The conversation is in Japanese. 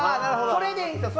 それでいいんですよ。